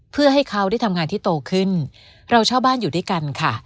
เพื่อให้เขาได้ทำงานที่โตขึ้นเราเช่าบ้านอยู่ด้วยกันค่ะ